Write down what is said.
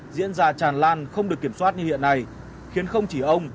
diễn ra tràn lan không được kiểm soát như hiện nay khiến không chỉ ông